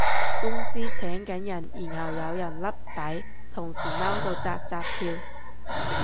公司請緊人然後有人甩底，同事嬲到紮紮跳